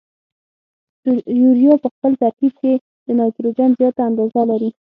یوریا په خپل ترکیب کې د نایتروجن زیاته اندازه لري.